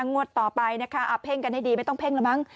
งวดต่อไปนะคะเพ่งกันให้ดีไม่ต้องเพ่งแล้วมั้ง